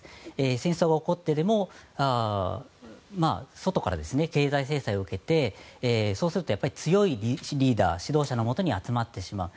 戦争が起こってでも外から、経済制裁を受けてそうすると強いリーダー指導者の下に集まってしまう。